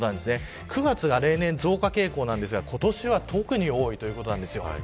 ９月は例年増加傾向ですが今年は特に多いということです。